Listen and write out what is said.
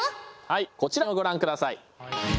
はいこちらをご覧ください。